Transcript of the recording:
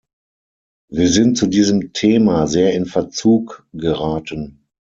Wir sind zu diesem Thema sehr in Verzug geraten.